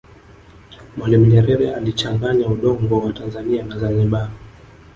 mwalimu nyerere alichanganya udongo wa tanzania na zanzibar